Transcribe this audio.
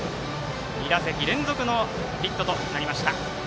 ２打席連続のヒットとなりました。